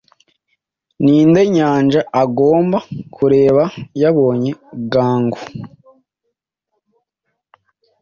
Ninde-nyanja agomba kurebayabonye gangu